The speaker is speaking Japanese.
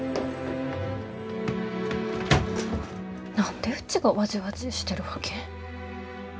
何でうちがわじわじーしてるわけ？